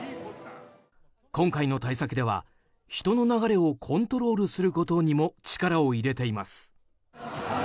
今回の対策では人の流れをコントロールすることにも力を入れています。